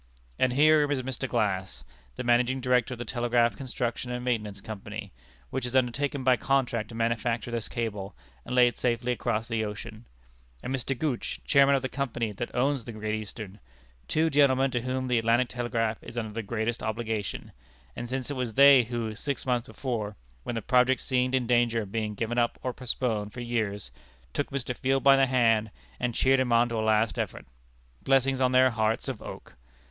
And here is Mr. Glass, the managing director of the Telegraph Construction and Maintenance Company, which has undertaken by contract to manufacture this cable and lay it safely across the ocean; and Mr. Gooch, chairman of the company that owns the Great Eastern two gentlemen to whom the Atlantic Telegraph is under the greatest obligation, since it was they who, six months before, when the project seemed in danger of being given up or postponed for years, took Mr. Field by the hand, and cheered him on to a last effort. Blessings on their hearts of oak!